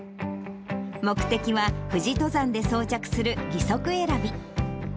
目的は、富士登山で装着する義足選び。